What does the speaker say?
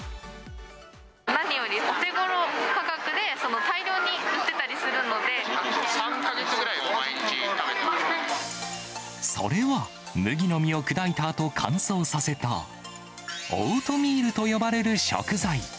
なによりお手ごろ価格で、３か月ぐらい毎日食べていまそれは、麦の実を砕いたあと乾燥させた、オートミールと呼ばれる食材。